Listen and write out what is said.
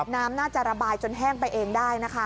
น้ำน่าจะระบายจนแห้งไปเองได้นะคะ